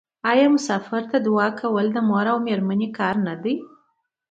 آیا مسافر ته دعا کول د مور او میرمنې کار نه دی؟